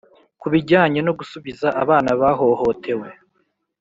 Ku bijyanye no gusubiza abana bahohotewe